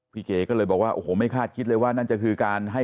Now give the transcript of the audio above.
เก๋ก็เลยบอกว่าโอ้โหไม่คาดคิดเลยว่านั่นจะคือการให้